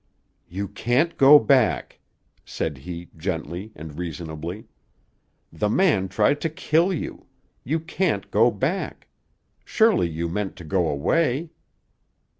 "You can't go back," said he gently and reasonably. "The man tried to kill you. You can't go back. Surely you meant to go away."